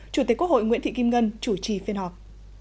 chủ tịch quốc hội nguyễn thị kim ngân chủ trì phiên họp